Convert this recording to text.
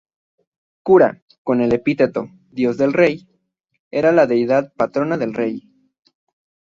Kura, con el epíteto "dios del rey", era la deidad patrona del rey.